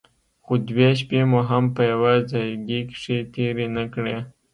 خو دوې شپې مو هم په يوه ځايگي کښې تېرې نه کړې.